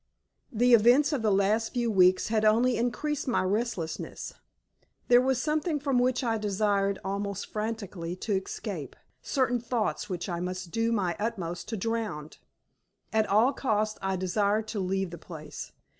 The events of the last few weeks had only increased my restlessness. There was something from which I desired almost frantically to escape, certain thoughts which I must do my utmost to drown. At all costs I desired to leave the place.